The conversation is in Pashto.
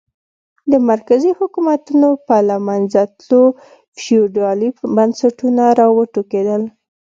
د مرکزي حکومتونو په له منځه تلو فیوډالي بنسټونه را وټوکېدل.